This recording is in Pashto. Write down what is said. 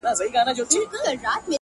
مـــــه كـــــوه او مـــه اشـــنـــا؛